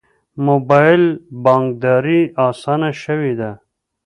موبایل بانکداري اسانه شوې ده